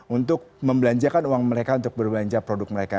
untuk membelanjakan uang mereka untuk berbelanja produk mereka